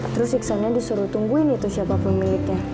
terus iksannya disuruh tungguin itu siapa pemiliknya